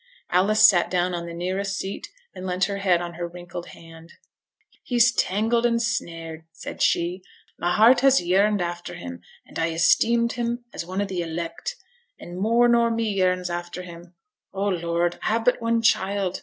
Alice sat down on the nearest seat, and leant her head on her wrinkled hand. 'He's tangled and snared,' said she; 'my heart has yearned after him, and I esteemed him as one o' the elect. And more nor me yearns after him. O Lord, I have but one child!